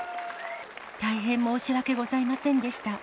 大変申し訳ございませんでした。